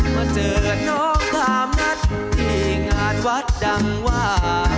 มาเจอน้องสามนัดที่งานวัดดังว่า